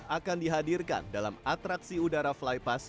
akan dihadirkan dalam atraksi udara flypass